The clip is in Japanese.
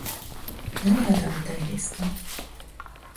何が食べたいですか